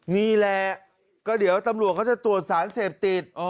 นี่แหละก็เดี๋ยวตำรวจเขาจะตรวจสารเสพติด